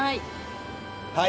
はい。